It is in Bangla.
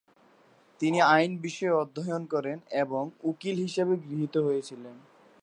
তিনি আইন বিষয়ে অধ্যয়ন করেন এবং উকিল হিসেবে গৃহীত হয়েছিলেন।